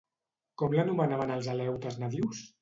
Com l'anomenaven els aleutes nadius?